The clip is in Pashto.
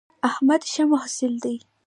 احمد ښه محصل دی